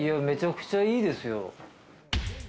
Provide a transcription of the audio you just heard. めちゃくちゃいいですよ。